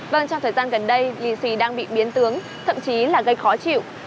vâng trong thời gian gần đây lì xì đang bị biến tướng thậm chí là gây khó chịu